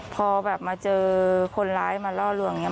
พอมาเจอคนร้ายมาเล่าเรื่องนี้